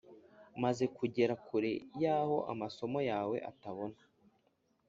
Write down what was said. maze kugera kure yahoo amaso yawe atabona